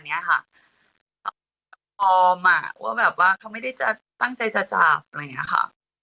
เนี้ยค่ะอ่อมาว่าแบบว่าเขาไม่ได้ตั้งใจจะจอบแบบนะคะ